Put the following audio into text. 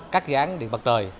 các dự án điện mặt trời